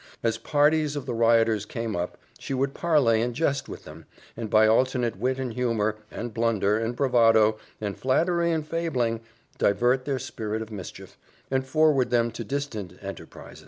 As parties of the rioters came up, she would parley and jest with them, and by alternate wit and humour, and blunder, and bravado, and flattery, and fabling, divert their spirit of mischief, and forward them to distant enterprise.